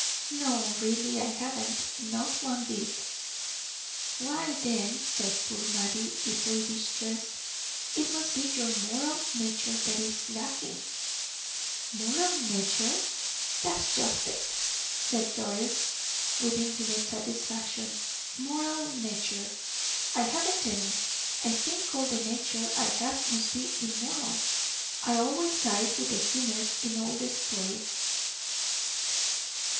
"No, really I haven't not one bit." "Why, then," said poor Mattie, deeply distressed, "it must be your moral nature that is lacking." "Moral nature? That's just it," said Doris, with infinite satisfaction. "Moral nature I haven't any. I think all the nature I have must be immoral; I always side with the sinners in all stories."